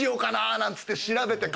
なんつって調べて書いて。